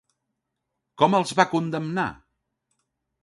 Com els va condemnar?